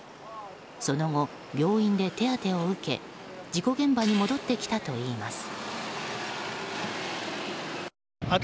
その後、病院で手当てを受け事故現場に戻ってきたといいます。